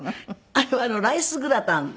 あれはライスグラタンって